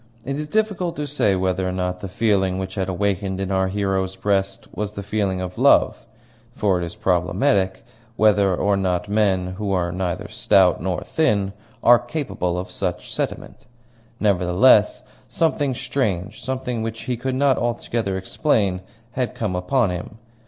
It is difficult to say whether or not the feeling which had awakened in our hero's breast was the feeling of love; for it is problematical whether or not men who are neither stout nor thin are capable of any such sentiment. Nevertheless, something strange, something which he could not altogether explain, had come upon him.